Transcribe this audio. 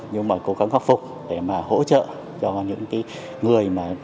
nhưng mà cố gắng khắc phục để mà hỗ trợ cho những người